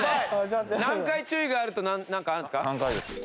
何回注意があるとなんかあるんですか？